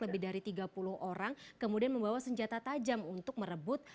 lebih dari tiga puluh orang kemudian membawa senjata tajam untuk merebut